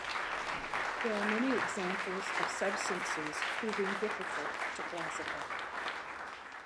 There are many examples of substances proving difficult to classify.